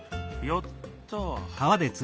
よっと！